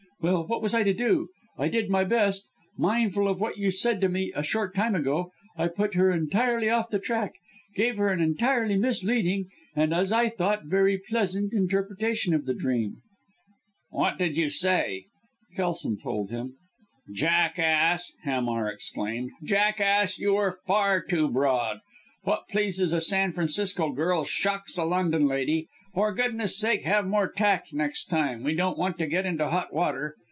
Well! what was I to do? I did my best. Mindful of what you said to me a short time ago, I put her entirely off the track; gave her an entirely misleading and as I thought very pleasant interpretation of the dream." "What did you say?" Kelson told him. "Jackass!" Hamar exclaimed. "Jackass! You were far too broad. What pleases a San Francisco girl shocks a London lady. For goodness sake have more tact another time, we don't want to get into hot water.